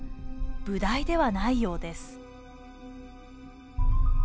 ブダイではないようです。